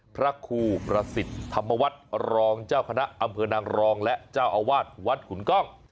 พระครูประสิทธิ์ธรรมวัฒน์รองเจ้าคณะอำเภอนางรองและเจ้าอาวาสวัดขุนกล้อง